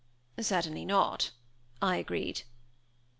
"Certainly not," I agreed.